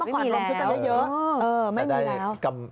ไม่มีแล้วเหรอ